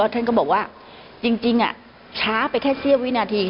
ท่านก็บอกว่าจริงช้าไปแค่เสี้ยววินาที